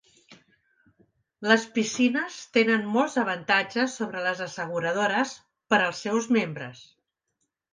Les piscines tenen molts avantatges sobre les asseguradores per als seus membres.